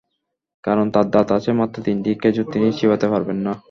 কারণ তাঁর দাঁত আছে মাত্র তিনটি, খেজুর তিনি চিবাতে পারবেন না।